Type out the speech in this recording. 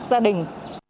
các gia đình